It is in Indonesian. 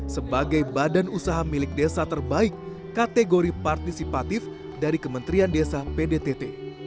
sebagai badan usaha milik desa terbaik kategori partisipatif dari kementerian desa pdtt